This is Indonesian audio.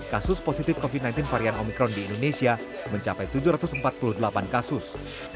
kasus positif covid sembilan belas varian omikron di indonesia mencapai tujuh ratus empat puluh delapan kasus